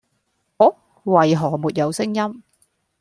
啊！為何沒有聲音？